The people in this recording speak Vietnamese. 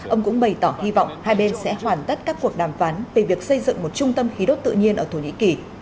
ông cũng bày tỏ hy vọng hai bên sẽ hoàn tất các cuộc đàm phán về việc xây dựng một trung tâm khí đốt tự nhiên ở thổ nhĩ kỳ